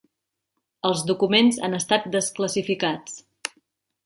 Els documents han estat desclassificats